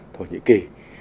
thổ nhĩ kỳ